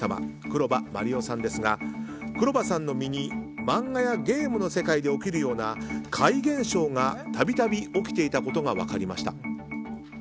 黒羽麻璃央さんですが黒羽さんの身に漫画やゲームの世界で起きるような怪現象がたびたび起きていたことが分かりました。